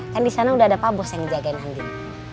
kan di sana udah ada pak bos yang ngejagain andin